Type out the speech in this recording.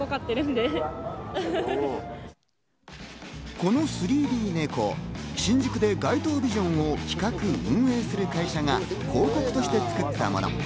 この３Ｄネコ、新宿で街頭ビジョンを企画・運営する会社が広告として作ったもの。